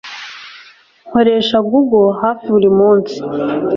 Nkoresha Google hafi buri munsi